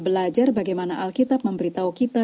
belajar bagaimana alkitab memberitahu kita